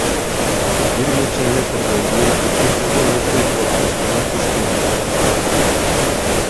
Бир нече метрден кийин күтүүсүздөн өзбек блокпостуна туш келдик.